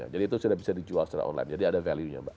jadi itu sudah bisa dijual secara online jadi ada value nya